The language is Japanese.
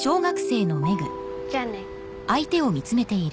じゃあね。